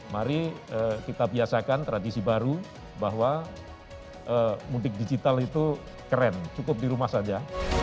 mari kita biasakan tradisi baru bahwa mudik digital itu keren cukup di rumah saja